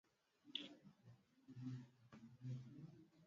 Kutoka pwani unaweza kuona Peninsula ya Michamvi